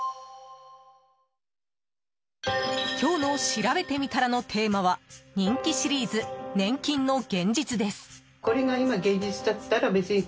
今日のしらべてみたらのテーマは、人気シリーズ年金の現実です。